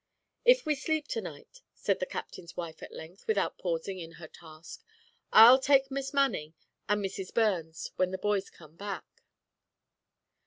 "If we sleep to night," said the Captain's wife at length, without pausing in her task, "I'll take Miss Manning and Mrs. Burns, when the boys come back."